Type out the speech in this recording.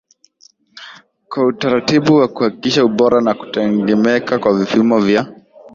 kwa utaratibu wa kuhakikisha ubora na kutegemeka kwa vipimo vya